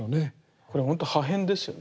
これほんと破片ですよね。